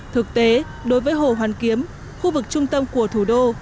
thực tế đối với hồ hoàn kiếm khu vực trung tâm của thủ đô